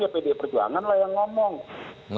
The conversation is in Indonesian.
pdi perjuangan lah yang ngomong